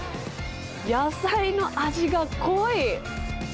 野菜の味が濃い！